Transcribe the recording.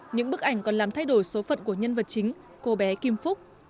những bức ảnh còn làm thay đổi số phận của nhân vật chính cô bé kim phúc